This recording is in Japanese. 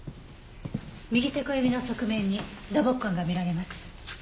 右手小指の側面に打撲痕が見られます。